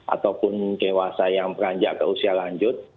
ataupun dewasa yang beranjak ke usia lanjut